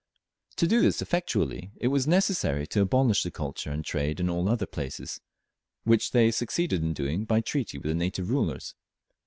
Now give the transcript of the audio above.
To do this effectually it was necessary to abolish the culture and trade in all other places, which they succeeded in doing by treaty with the native rulers.